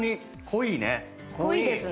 濃いですね。